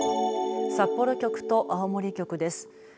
札幌局と青森局です。